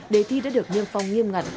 đề thi đã được nghiêm phong nghiêm ngặt